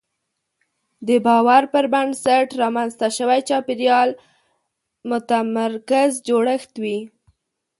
د باور پر بنسټ رامنځته شوی چاپېریال متمرکز جوړښت وي.